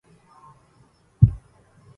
أمرر على حلب ذات البساتين